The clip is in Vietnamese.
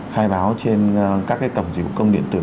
khai báo trên các cái tổng dịch vụ công điện tử